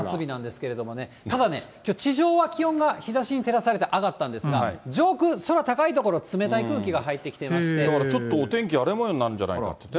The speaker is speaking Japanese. まだ夏日なんですけど、ただ地上はきょう日ざしに照らされて上がったんですが、上空、空高い所、冷たい空気が入ってきていまして、ちょっとお天気、荒れもようになるんじゃないかってね。